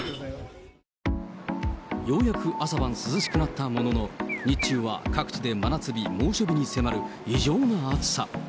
ようやく朝晩涼しくなったものの、日中は各地で真夏日、猛暑日に迫る異常な暑さ。